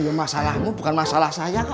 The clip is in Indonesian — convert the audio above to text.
ya masalahmu bukan masalah saya